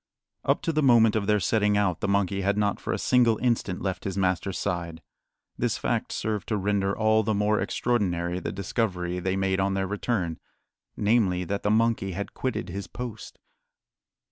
Up to the moment of their setting out the monkey had not for a single instant left his master's side. This fact served to render all the more extraordinary the discovery they made on their return namely, that the monkey had quitted his post.